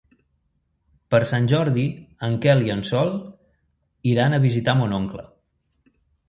Per Sant Jordi en Quel i en Sol iran a visitar mon oncle.